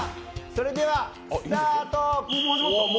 それではスタート！